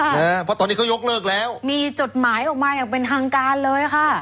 เพราะตอนนี้เขายกเลิกแล้วมีจดหมายออกมาอย่างเป็นทางการเลยค่ะ